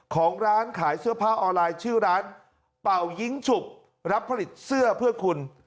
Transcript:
ของร้านขายเสื้อผ้าออนไลน์ชื่อร้านเป่ายิ้งฉุบรับผลิตเสื้อเพื่อคุณ